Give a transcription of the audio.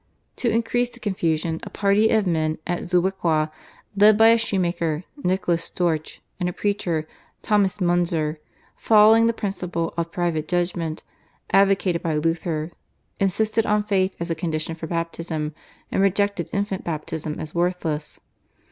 To increase the confusion a party of men at Zwickau led by a shoemaker, Nicholas Storch, and a preacher, Thomas Munzer, following the principle of private judgment advocated by Luther, insisted on faith as a condition for baptism and rejected infant baptism as worthless.